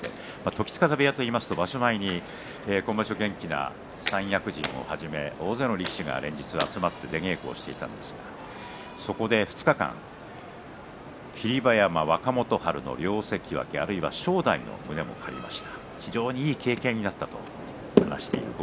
時津風部屋には今場所、元気な三役陣も初めて大勢の力士が集まって稽古していたんですがそこで２日間、霧馬山若元春両関脇、あるいは正代の胸を借りました。